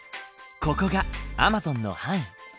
ここがアマゾンの範囲。